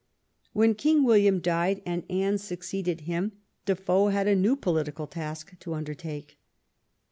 When King William died and Anne succeeded him, Defoe had a new political task to undertake.